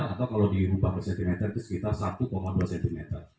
atau kalau dirubah per cm itu sekitar satu dua cm